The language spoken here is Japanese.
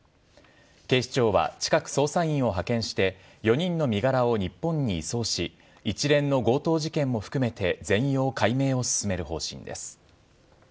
警視庁は、近く捜査員を派遣して、４人の身柄を日本に移送し、一連の強盗事件も含めて、全容解明を進める方針です。